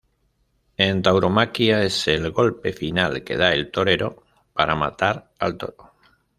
En tauromaquia, es el golpe final que da el torero para matar al toro.